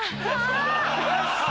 よし！